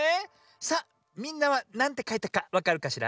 さあみんなはなんてかいたかわかるかしら？